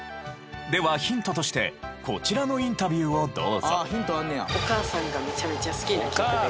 ではヒントしてこちらのインタビューをどうぞ。